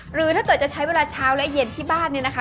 หรือถ้าเกิดจะใช้เวลาเช้าและเย็นที่บ้านเนี่ยนะคะ